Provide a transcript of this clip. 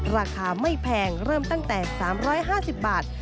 ราคาไม่แพงเริ่มตั้งแต่๓๕๐บาท